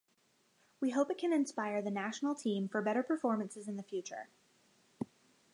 We hope it can inspire the national team for better performances in the future.